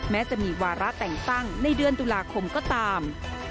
แม้จะมีวาระแต่งตั้งในเดือนตุลาคมก็ตาม